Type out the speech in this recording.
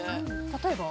例えば？